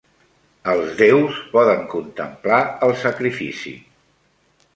Els déus poden contemplar el sacrifici.